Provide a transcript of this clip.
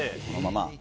このまま。